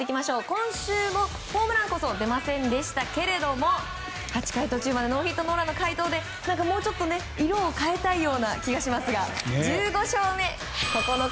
今週もホームランこそ出ませんでしたけれども８回途中までノーヒットノーランの快投でもうちょっと色を変えたいような気がしますが１５勝目。